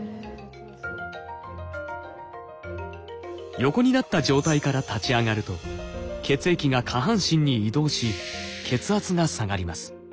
横になった状態から立ち上がると血液が下半身に移動し血圧が下がります。